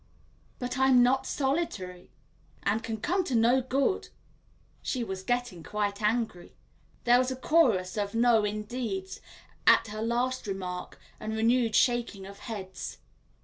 "But I'm not solitary." "And can come to no good." She was getting quite angry. There was a chorus of No Indeeds at her last remark, and renewed shaking of heads.